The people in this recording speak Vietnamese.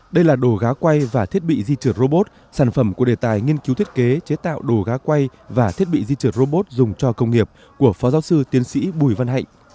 đây là đồ gá quay và thiết bị di trượt robot sản phẩm của đề tài nghiên cứu thiết kế chế tạo đồ gá quay và thiết bị di trượt robot dùng cho công nghiệp của phó giáo sư tiến sĩ bùi văn hạnh